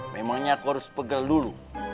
memangnya kau harus pegel dulu